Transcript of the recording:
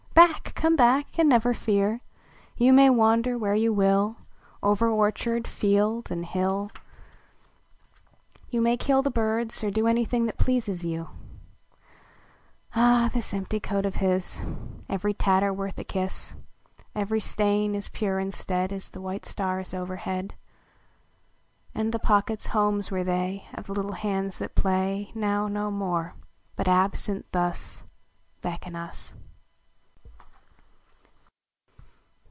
P>ack ! come hack, and never fear. You may wander where you will. Over orchard, field and hill ; THE LITTLE COAT You may kill the birds, or do Anything that pleases you ! Ah, this empty coat of his ! Every tatter worth a kiss ; Every stain as pure instead As the white stars overhead : And the pockets homes were they Of the little hands that play Now no more hut, absent, thus Beckon us.